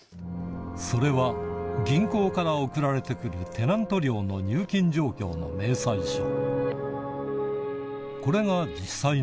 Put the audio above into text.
それは銀行から送られて来るテナント料の入金状況の明細書